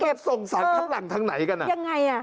ส่งสารคัดหลังทางไหนกันอ่ะยังไงอ่ะ